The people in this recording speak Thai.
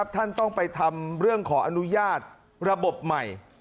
ท่านต้องไปทำเรื่องขออนุญาตระบบใหม่